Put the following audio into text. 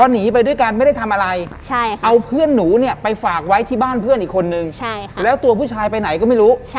หนีไปด้วยกันไม่ได้ทำอะไรเอาเพื่อนหนูเนี่ยไปฝากไว้ที่บ้านเพื่อนอีกคนนึงแล้วตัวผู้ชายไปไหนก็ไม่รู้